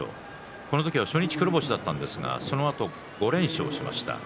この時は初日黒星だったんですがそのあと５連勝しました。